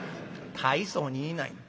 「大層に言いないな。